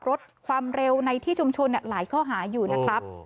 ลดความเร็วในที่ชุมชนหลายข้อหาอยู่นะครับ